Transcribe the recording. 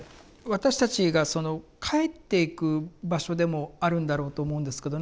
私たちがその帰っていく場所でもあるんだろうと思うんですけど。